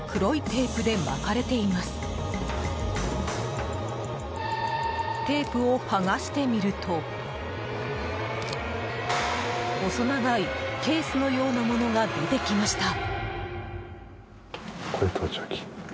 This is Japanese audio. テープを剥がしてみると細長いケースのようなものが出てきました。